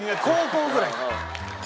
高校ぐらい。